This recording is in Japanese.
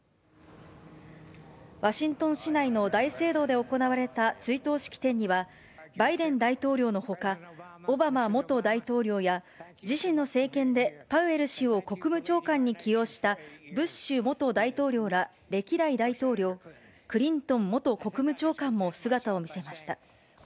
ワシントン市内の大聖堂で行われた追悼式典には、バイデン大統領のほか、オバマ元大統領や、自身の政権でパウエル氏を国務長官に起用したブッシュ元大統領ら歴代大統領、クリントン元国務長官も姿を見せました。